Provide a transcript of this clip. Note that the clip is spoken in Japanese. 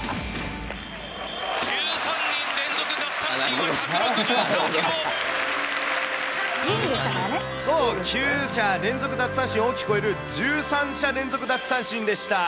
１３人連続奪三振、これそう、９者連続奪三振を大きく超える１３者連続奪三振でした。